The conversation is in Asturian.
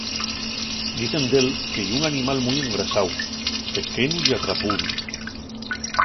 Dicen d'él que ye un animal mui engrasáu, pequenu ya trapudu.